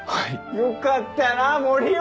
よかったな森生！